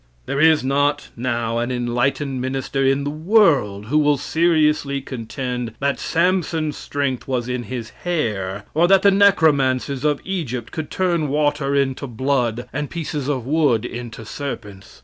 There is not now an enlightened minister in the world who will seriously contend that Sampson's strength was in his hair, or that the necromancers of Egypt could turn water into blood, and pieces of wood into serpents.